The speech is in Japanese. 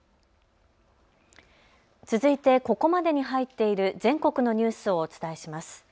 続いてここまでに入っている全国のニュースをお伝えします。